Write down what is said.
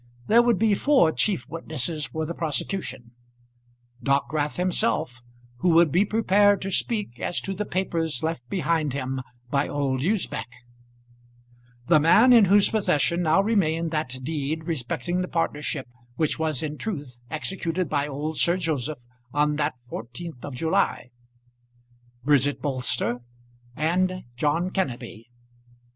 There would be four chief witnesses for the prosecution; Dockwrath himself, who would be prepared to speak as to the papers left behind him by old Usbech; the man in whose possession now remained that deed respecting the partnership which was in truth executed by old Sir Joseph on that fourteenth of July; Bridget Bolster; and John Kenneby.